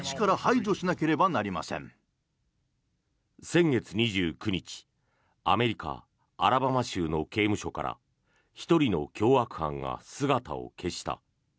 先月２９日アメリカ・アラバマ州の刑務所から１人の凶悪犯が姿を消した。